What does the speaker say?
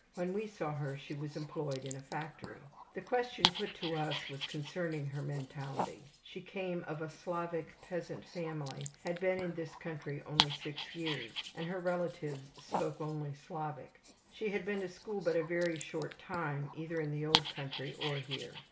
When we saw her she was employed in a factory. The question put to us was concerning her mentality. She came of a Slavic peasant family, had been in this country only 6 years, and her relatives spoke only Slavic. She had been to school but a very short time, either in the old country or here.